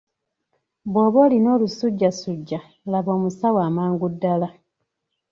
Bw’oba olina olusujjasujja, laba omusawo amangu ddala.